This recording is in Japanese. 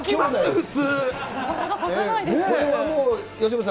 普通。